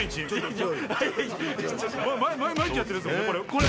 毎日やってるんですもんねこれ。